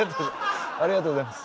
ありがとうございます。